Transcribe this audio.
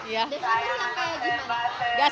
dari mana sampai gimana